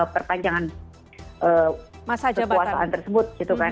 perpanjangan kekuasaan tersebut gitu kan